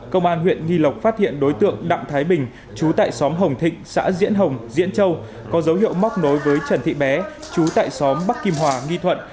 công an huyện nghi lộc phát hiện đối tượng đặng thái bình chú tại xóm hồng thịnh xã diễn hồng diễn châu có dấu hiệu móc nối với trần thị bé chú tại xóm bắc kim hòa nghi thuận